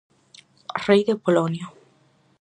Rei de Polonia.